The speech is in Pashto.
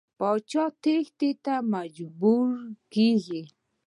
پاچا تېښتې ته مجبوریږي.